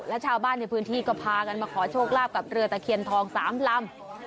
และชาวบ้านในพื้นที่ก็พากันมาขอโชคลาภกับเรือตะเคียนทอง๓ลำ